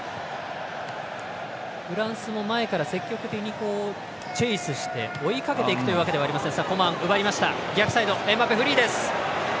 フランスも前から積極的にチェイスして追いかけていくというわけではありません。